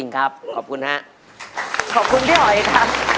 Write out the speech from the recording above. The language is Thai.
ยิ่งรักเธอต่อยิ่งเสียใจ